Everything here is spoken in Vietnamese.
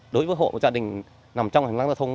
đối với hộ gia đình nằm trong hành lang giao thông